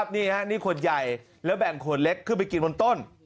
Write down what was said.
นี่ขวดใหญ่แล้วแบ่งขวดเล็กขึ้นไปกินบนต้น